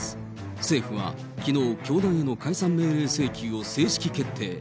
政府はきのう、教団への解散命令請求を正式決定。